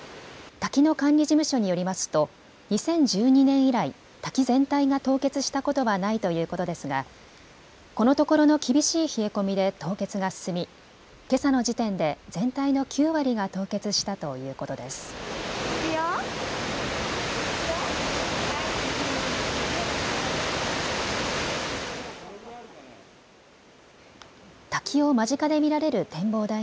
滝の管理事務所によりますと２０１２年以来、滝全体が凍結したことはないということですがこのところの厳しい冷え込みで凍結が進みけさの時点で全体の９割が凍結したということです。